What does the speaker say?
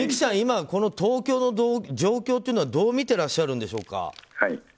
この東京の状況というのはどう見てらっしゃるんでしょうか。